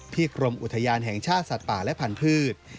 กรมอุทยานแห่งชาติสัตว์ป่าและพันธุ์